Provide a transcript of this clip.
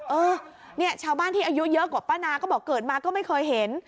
เออเนี่ยชาวบ้านที่อายุเยอะกว่าป้านาก็บอกเกิดมาก็ไม่เคยเห็น